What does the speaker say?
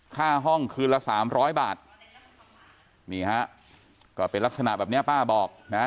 ค่าห้องคืนละสามร้อยบาทนี่ฮะก็เป็นลักษณะแบบเนี้ยป้าบอกนะ